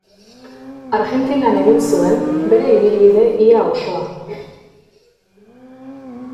Argentinan egin zuen bere ibilbide ia osoa.